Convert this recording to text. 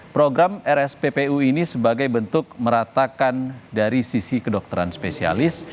program rsppu ini sebagai bentuk meratakan dari sisi kedokteran spesialis